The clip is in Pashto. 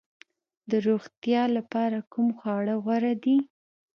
د روغتیا لپاره کوم خواړه غوره دي؟